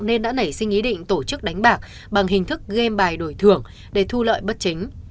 nên đã nảy sinh ý định tổ chức đánh bạc bằng hình thức game bài đổi thưởng để thu lợi bất chính